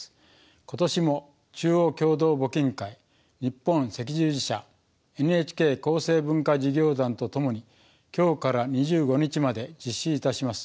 ことしも中央共同募金会日本赤十字社ＮＨＫ厚生文化事業団と共にきょうから２５日まで実施いたします。